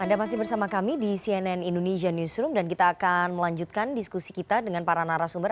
anda masih bersama kami di cnn indonesia newsroom dan kita akan melanjutkan diskusi kita dengan para narasumber